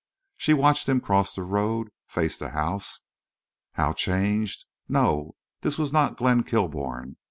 She watched him cross the road, face the house. How changed! No—this was not Glenn Kilbourne.